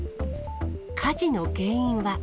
火事の原因は。